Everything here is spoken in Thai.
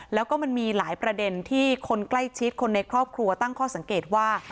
แล้วก็มันมีหลายประเด็นที่คนใกล้ชิดคนในครอบครัวตั้งข้อสังเกตว่า